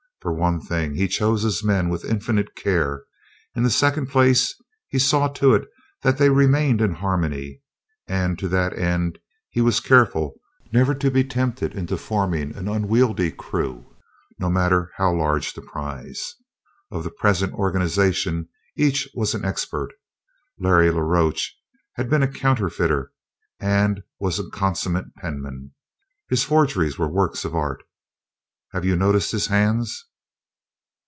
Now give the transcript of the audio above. For one thing, he chose his men with infinite care; in the second place, he saw to it that they remained in harmony, and to that end he was careful never to be tempted into forming an unwieldy crew, no matter how large the prize. Of the present organization each was an expert. Larry la Roche had been a counterfeiter and was a consummate penman. His forgeries were works of art. "Have you noticed his hands?"